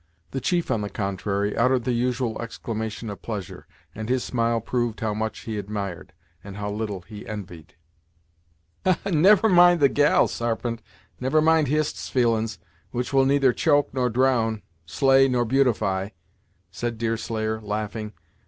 The chief, on the contrary, uttered the usual exclamation of pleasure, and his smile proved how much he admired, and how little he envied. "Never mind the gal, Sarpent, never mind Hist's feelin's, which will neither choke, nor drown, slay nor beautify," said Deerslayer, laughing.